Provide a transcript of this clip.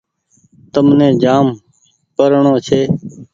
تمني جآم پڙڻو ڇي۔